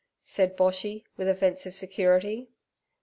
said Boshy, with offensive security.